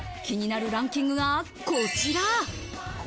気になるランキングがこちら。